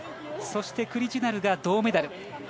そしてクリジュナルが銅メダル。